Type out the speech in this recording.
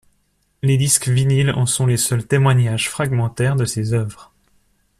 Les disques de vinyle en sont les seuls témoignages fragmentaires de ses œuvres.